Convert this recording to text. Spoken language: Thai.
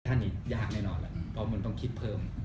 จากนี้ยากแน่นอนต้องคิดเพิ่ม